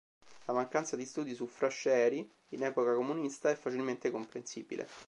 La mancanza di studi su Frashëri, in epoca comunista, è facilmente comprensibile.